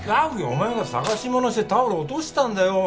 お前が探し物してタオル落としたんだよ